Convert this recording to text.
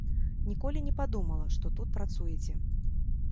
Ніколі не падумала, што тут працуеце.